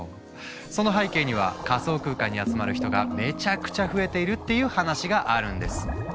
その背景には仮想空間に集まる人がめちゃくちゃ増えているっていう話があるんです。